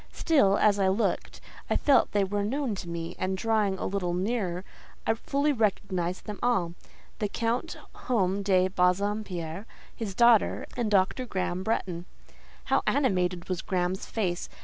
Still, as I looked, I felt they were known to me, and, drawing a little nearer, I fully recognised them all: the Count Home de Bassompierre, his daughter, and Dr. Graham Bretton. How animated was Graham's face!